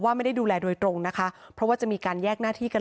ไม่ได้ดูแลโดยตรงนะคะเพราะว่าจะมีการแยกหน้าที่กัน